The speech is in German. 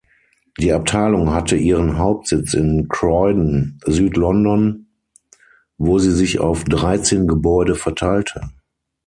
Die Abteilung hatte ihren Hauptsitz in Croydon, Südlondon, wo sie sich auf dreizehn Gebäude verteilte.